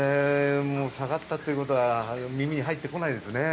もう下がったということは耳に入ってこないです